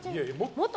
もっと。